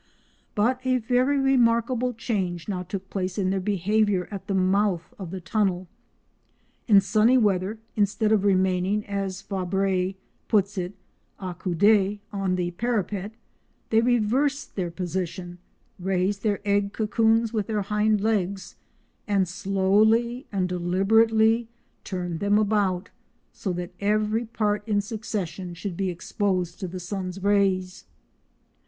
But a very remarkable change now took place in their behaviour at the mouth of the tunnel. In sunny weather, instead of remaining, as Fabre puts it, "accoudé" on the parapet, they reversed their position, raised their egg cocoons with their hind legs, and slowly and deliberately turned them about, so that every part in succession should be exposed to the sun's rays.